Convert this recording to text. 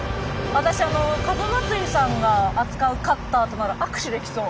私風祭さんが扱うカッターとなら握手できそう。